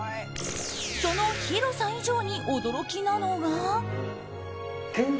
その広さ以上に驚きなのが。